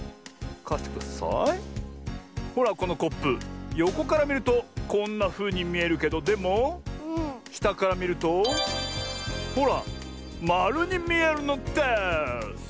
ほらこのコップよこからみるとこんなふうにみえるけどでもしたからみるとほらまるにみえるのです！